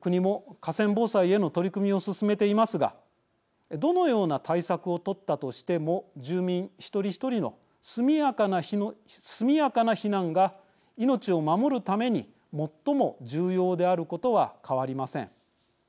国も河川防災への取り組みを進めていますがどのような対策を取ったとしても住民一人一人の速やかな避難が命を守るために最も重要であることは変わりません。